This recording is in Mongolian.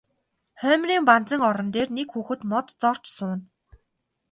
Хоймрын банзан орон дээр нэг хүүхэд мод зорьж сууна.